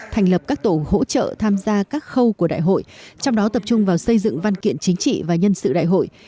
thành lập các tổ hỗ trợ tham gia các khâu của đại hội trong đó tập trung vào xây dựng văn kiện chính trị và nhân sự đại hội